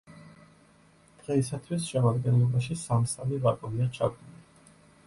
დღეისათვის შემადგენლობაში სამ-სამი ვაგონია ჩაბმული.